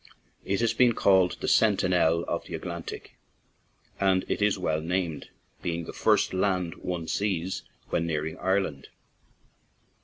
It has been called "the Sentinel of the Atlantic/' and it is well named, being the first land one sees when nearing Ireland.